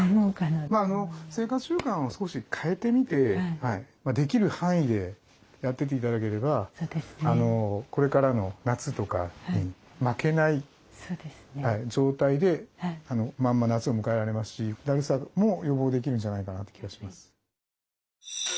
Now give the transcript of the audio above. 生活習慣を少し変えてみてできる範囲でやってって頂ければこれからの夏とかに負けない状態でまんま夏を迎えられますしだるさも予防できるんじゃないかなって気がします。